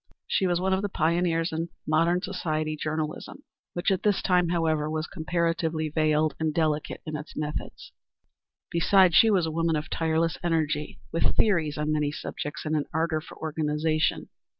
She was one of the pioneers in modern society journalism, which at this time, however, was comparatively veiled and delicate in its methods. Besides, she was a woman of tireless energy, with theories on many subjects and an ardor for organization.